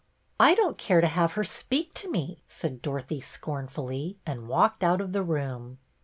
" I don't care to have her speak to me," said Dorothy, scornfully, and walked out of the room.